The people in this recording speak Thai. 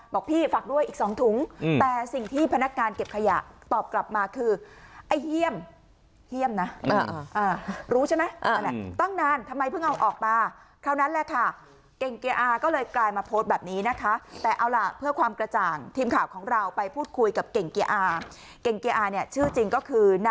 บอกพี่ฝากด้วยอีก๒ถุงแต่สิ่งที่พนักการเก็บขยะตอบกลับมาคือ